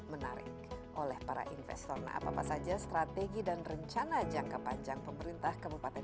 menarik oleh para investor apa apa saja strategi dan rencana jangka panjang pemerintah kabupaten